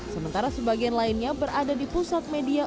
sementara sebagian lainnya berada di pusat media